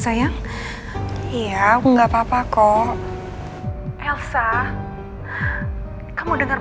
kamu nggak kesal kundi itu